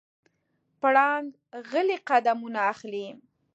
پړانګ غلی قدمونه اخلي.